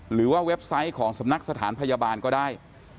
เว็บไซต์ของสำนักสถานพยาบาลก็ได้